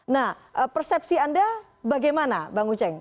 nah persepsi anda bagaimana bang uceng